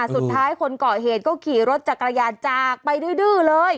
สุดท้ายคนเกาะเหตุก็ขี่รถจักรยานจากไปดื้อเลย